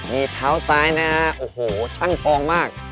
มีเท้าซ้ายนะฮะโอ้โหช่างทองมาก